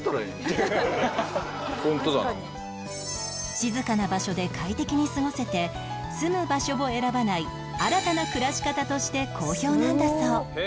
静かな場所で快適に過ごせて住む場所を選ばない新たな暮らし方として好評なんだそう